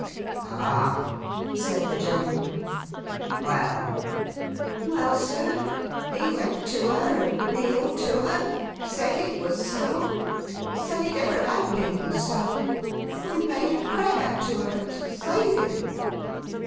'Ah!' said the gentleman. 'Well?' 'Well, sir, he went to her, and kneeled to her; said it was so; said it ever had been so; and made a prayer to her to save him.